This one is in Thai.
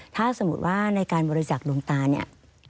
ถ้าสมมุติว่าในการบริจักษ์ดวงตาเนี่ย